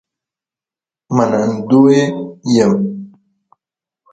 منندوی یم